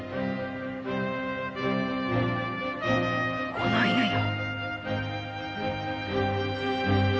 この犬よ。